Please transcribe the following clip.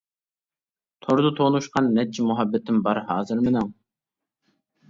توردا تونۇشقان نەچچە مۇھەببىتىم بار ھازىر مېنىڭ!